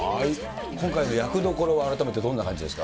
今回の役どころは、改めてどんな感じですか。